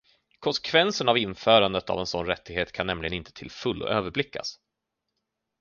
Konsekvenserna av införandet av en sådan rättighet kan nämligen inte till fullo överblickas.